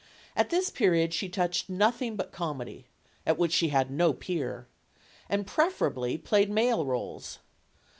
At this period she touched nothing but comedy at which she had no peer and preferably played male roles.